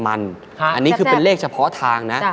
อันนี้คือเป็นเลขเฉพาะทางนะ